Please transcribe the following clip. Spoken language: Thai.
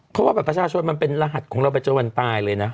เพราะว่าบัตรประชาชนมันเป็นรหัสของเราไปจนวันตายเลยนะ